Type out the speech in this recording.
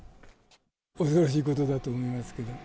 恐ろしいことだと思いますけど。